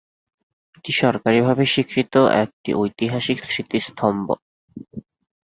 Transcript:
এটি সরকারীভাবে স্বীকৃত একটি ঐতিহাসিক স্মৃতিস্তম্ভ।